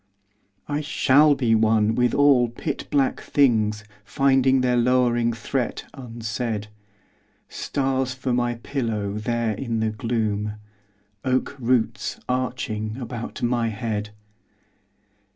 I shall be one with all pit black things Finding their lowering threat unsaid: Stars for my pillow there in the gloom,— Oak roots arching about my head!